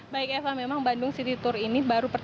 baik eva memang bandung city tour ini baru terjadi